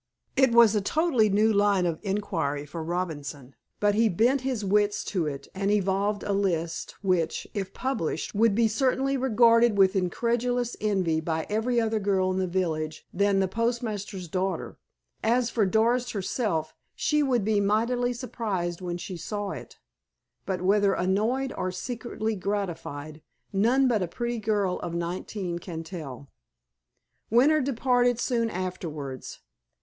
It was a totally new line of inquiry for Robinson, but he bent his wits to it, and evolved a list which, if published, would certainly be regarded with incredulous envy by every other girl in the village than the postmaster's daughter; as for Doris herself, she would be mightily surprised when she saw it, but whether annoyed or secretly gratified none but a pretty girl of nineteen can tell. Winter departed soon afterwards.